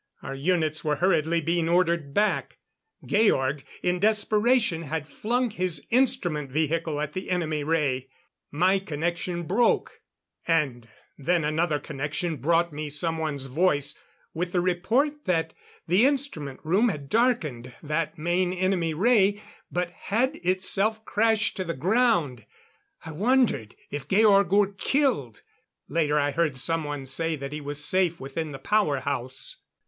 Our units were hurriedly being ordered back. Georg, in desperation, had flung his instrument vehicle at the enemy ray ... My connection broke; and then another connection brought me someone's voice with the report that the instrument room had darkened that main enemy ray, but had itself crashed to the ground ... I wondered if Georg were killed ... later, I heard someone say that he was safe within the power house....